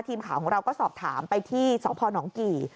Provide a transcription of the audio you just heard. ทีมข่าวของเราก็สอบถามไปที่สพนกี่